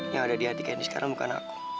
yang ada di hati kami sekarang bukan aku